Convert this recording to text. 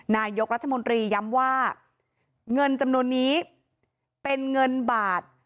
นายกรัฐมนตรีย้ำว่าเงินจำนวนนี้เป็นเงินบาท